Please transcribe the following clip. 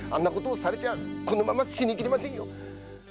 あれじゃこのまま死にきれませんよ！